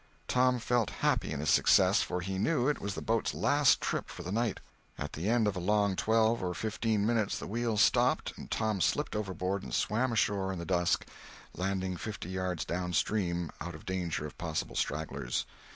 Tom felt happy in his success, for he knew it was the boat's last trip for the night. At the end of a long twelve or fifteen minutes the wheels stopped, and Tom slipped overboard and swam ashore in the dusk, landing fifty yards downstream, out of danger of possible stragglers.